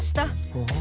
ほう。